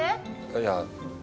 いや。